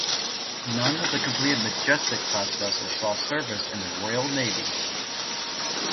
None of the completed "Majestic"-class vessels saw service in the Royal Navy.